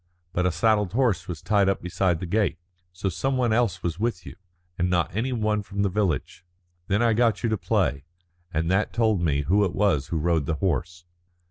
But a saddled horse was tied up beside the gate. So some one else was with you, and not any one from the village. Then I got you to play, and that told me who it was who rode the horse."